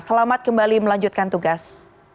selamat kembali melanjutkan tugas